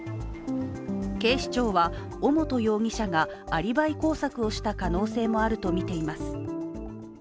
警視庁は尾本容疑者がアリバイ工作をした可能性もあるとみています。